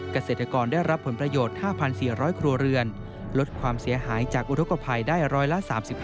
เกษตรกรได้รับผลประโยชน์๕๔๐๐ครัวเรือนลดความเสียหายจากอุทธกภัยได้ร้อยละ๓๕